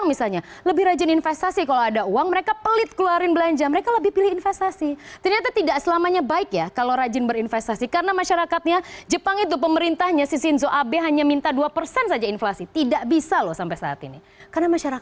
malas belanja jadi ini adalah